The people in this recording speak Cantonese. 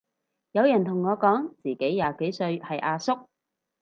有人同我講自己廿幾歲係阿叔